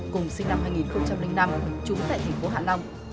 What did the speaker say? cùng sinh năm hai nghìn năm trú tại tp hạ long